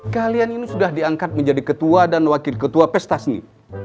kalian ini sudah diangkat menjadi ketua dan wakil ketua pesta seni